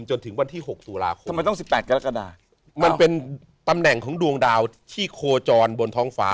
จนถึงวันที่๖ตุลาคมทำไมต้อง๑๘กรกฎามันเป็นตำแหน่งของดวงดาวที่โคจรบนท้องฟ้า